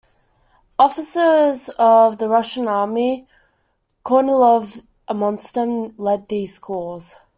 Officers of the Russian Army, Kornilov amongst them, led these calls.